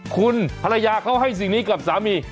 คุณภรรยาเขาให้สิ่งนี้กับสามี